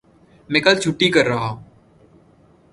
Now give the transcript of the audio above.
میں کل چھٹی کر ریا ہوں